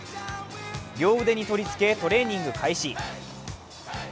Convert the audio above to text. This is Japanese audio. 両腕に取り付け、トレーニング開始